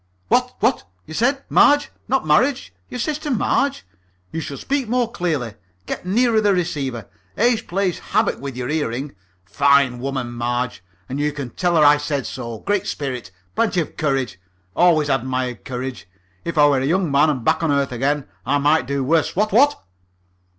"What, what? You said 'Marge' not 'marriage' your sister Marge? You should speak more clearly. Get nearer the receiver age plays havoc with the hearing. Fine woman, Marge, and you can tell her I said so. Great spirit. Plenty of courage. Always admired courage. If I were a young man and back on earth again, I might do worse, what, what?"